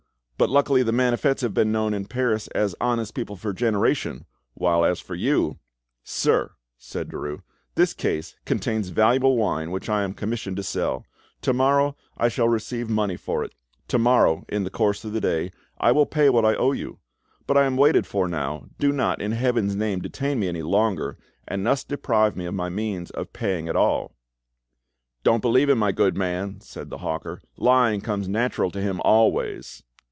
But luckily the Maniffets have been known in Paris as honest people for generations, while as for you——" "Sir," said Derues, "this case contains valuable wine which I am commissioned to sell. To morrow I shall receive the money for it; to morrow, in the course of the day, I will pay what I owe you. But I am waited for now, do not in Heaven's name detain me longer, and thus deprive me of the means of paying at all." "Don't believe him, my good man," said the hawker; "lying comes natural to him always."